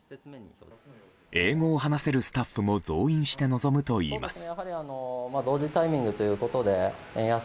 英語を話せるスタッフも増員して臨むといいます。